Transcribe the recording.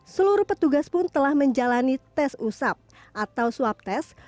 seluruh petugas pun telah menjalani tes usap atau swab test